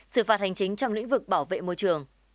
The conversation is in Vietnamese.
xử phạt hành chính trong lĩnh vực bảo vệ môi trường